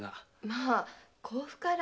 まあ甲府から。